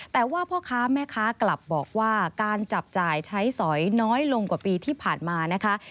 แต่ว่าพ่อค้าแม่ค้ากลับบอกว่าการจับจ่ายใช้สอยน้อยลงกว่าปีที่ผ่านมานะคะ